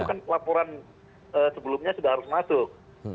itu kan laporan sebelumnya sudah harus masuk